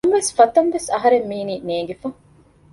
ނަމވެސް ފަތަންވެސް އަހަރެން މީނީ ނޭނގިފަ